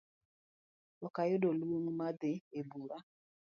Okayudo luong mar dhi ebura